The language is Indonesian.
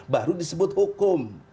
baru disebut hukum